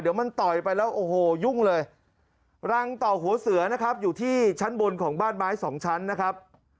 เดี๋ยวมันต่อยไปแล้วโอ้โหยุ่งเลยรังต่อหัวเสือนะครับอยู่ที่ชั้นบนของบ้านไม้สองชั้นนะครับ